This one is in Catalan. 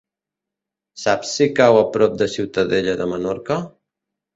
Saps si cau a prop de Ciutadella de Menorca?